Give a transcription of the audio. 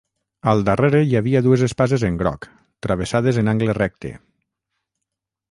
Al darrere hi havia dues espases en groc, travessades en angle recte.